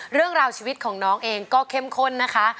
เรื่องราวชีวิตของน้องเองก็เข้มข้นนะคะ